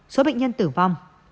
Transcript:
số bệnh nhân tử vong